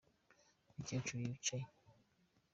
umucyecuru wicaye